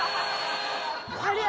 ありゃ！